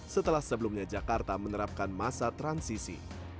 setelah sebelumnya jakarta menerapkan masa transisi